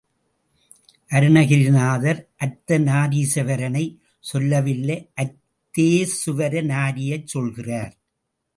அருணகிரிநாதர் அர்த்தநாரீசுவரனைச் சொல்லவில்லை அர்த்தேசுவர நாரியைச் சொல்கிறார்.